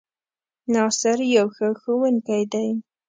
ناصر يو ښۀ ښوونکی دی